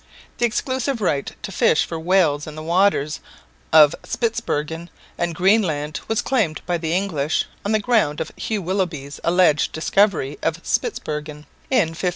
The exclusive right to fish for whales in the waters of Spitsbergen and Greenland was claimed by the English on the ground of Hugh Willoughby's alleged discovery of Spitsbergen in 1553.